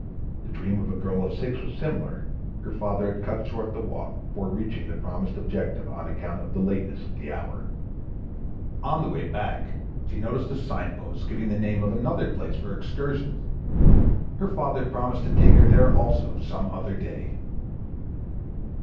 The dream of a girl of six was similar; her father had cut short the walk before reaching the promised objective on account of the lateness of the hour. On the way back she noticed a signpost giving the name of another place for excursions; her father promised to take her there also some other day.